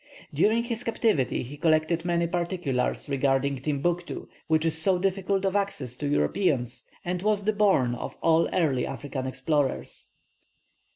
During his captivity he collected many particulars regarding Timbuctoo, which is so difficult of access to Europeans, and was the bourne of all early African explorers.